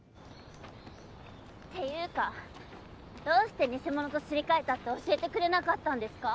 ていうかどうして偽物とすり替えたって教えてくれなかったんですか？